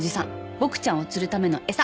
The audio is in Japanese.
ボクちゃんを釣るための餌。